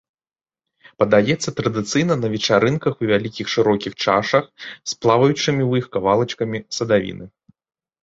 Падаецца традыцыйна на вечарынках у вялікіх шырокіх чашах, з плаваючымі ў іх кавалачкамі садавіны.